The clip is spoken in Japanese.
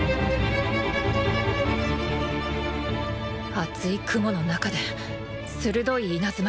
厚い雲の中で鋭い稲妻が暴れる。